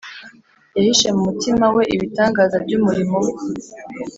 . Yahishe mu mutima We ibitangaza by’umurimo We